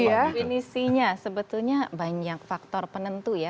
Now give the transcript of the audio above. definisinya sebetulnya banyak faktor penentu ya